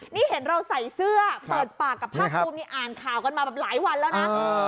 นี่เห็นเราใส่เสื้อเปิดปากกับภาคภูมินี่อ่านข่าวกันมาแบบหลายวันแล้วนะ